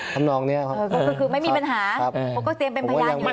ทำนองเนี้ยครับคือคือไม่มีปัญหาครับผมก็เตรียมเป็นพยานอยู่แล้ว